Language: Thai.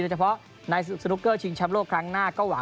เฉพาะในสนุกเกอร์ชิงช้ำโลกครั้งหน้าก็หวัง